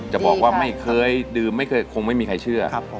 จะบอกว่าไม่เคยดื่มไม่เคยคงไม่มีใครเชื่อ